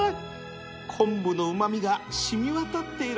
コンブのうま味が染み渡っている